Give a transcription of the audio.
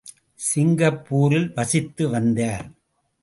சிங்கப்பூரில் வசித்து வந்தார்.